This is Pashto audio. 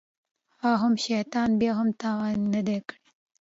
هغه هم شيطان بيا مې هم تاوان نه دى کړى.